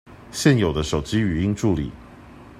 現有的手機語音助理